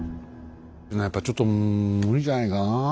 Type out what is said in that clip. やっぱりちょっと無理じゃないかなあ。